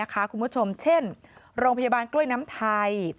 คุณผู้ชมเช่นโรงพยาบาลกล้วยน้ำไทย